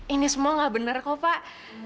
ini semua nggak benar kok pak